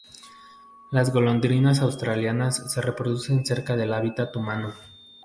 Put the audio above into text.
Las golondrinas australianas se reproducen cerca del hábitat humano.